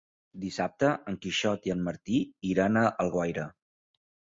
Dissabte en Quixot i en Martí iran a Alguaire.